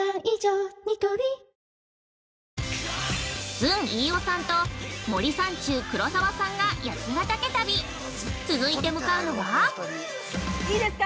ずん・飯尾さんと、森三中・黒沢さんが八ヶ岳旅！続いて、向かうのは◆いいですか。